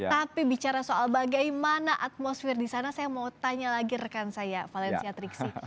tapi bicara soal bagaimana atmosfer di sana saya mau tanya lagi rekan saya valencia triksi